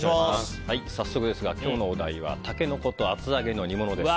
早速ですが今日のお題はタケノコと厚揚げの煮物です。